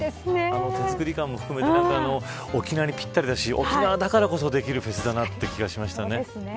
あの手作り感も含めて沖縄にぴったりだし沖縄だからこそできるフェスだなという気がしました。